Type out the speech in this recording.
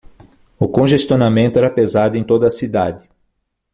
o congestionamento era pesado em toda a cidade.